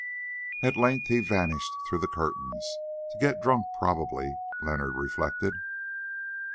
At length he vanished through the curtains, to get drunk probably, Leonard reflected.